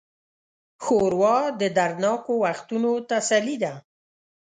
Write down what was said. ښوروا د دردناکو وختونو تسلي ده.